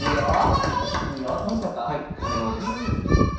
いいよ楽しかった？